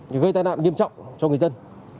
thông chí là gây tai nạn nghiêm trọng cho người dân